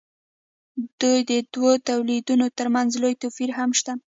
د دې دوو تولیدونو ترمنځ لوی توپیر هم شته.